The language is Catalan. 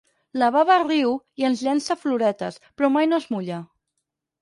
La baba riu i ens llança floretes, però mai no es mulla.